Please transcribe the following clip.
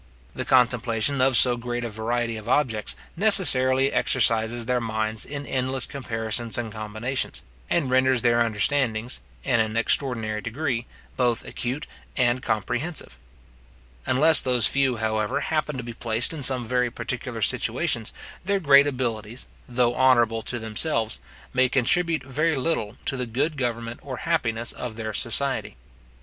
The contemplation of so great a variety of objects necessarily exercises their minds in endless comparisons and combinations, and renders their understandings, in an extraordinary degree, both acute and comprehensive. Unless those few, however, happen to be placed in some very particular situations, their great abilities, though honourable to themselves, may contribute very little to the good government or happiness of their society.